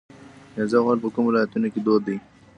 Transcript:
نیزه وهل په کومو ولایتونو کې دود دي؟